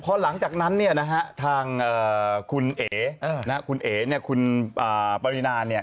เพราะหลังจากนั้นเนี่ยนะฮะทางคุณเอ๋คุณปรินาเนี่ย